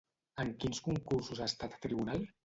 En quins concursos ha estat tribunal?